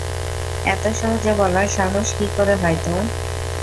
এত সহজে বলার সাহস কী করে হয় তোর?